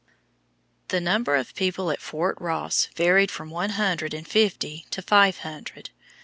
The number of people at Fort Ross varied from one hundred and fifty to five hundred.